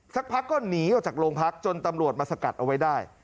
สักพักก็หนีออกจากโรงพักจนตำรวจมาสกัดเอาไว้ได้